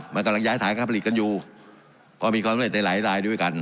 มันกำลังย้ายถ่ายข้างผลิตกันอยู่ก็มีความผลิตในหลายรายด้วยกัน